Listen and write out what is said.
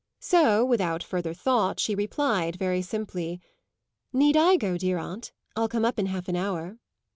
So, without further thought, she replied, very simply "Need I go, dear aunt? I'll come up in half an hour."